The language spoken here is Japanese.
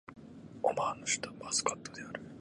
オマーンの首都はマスカットである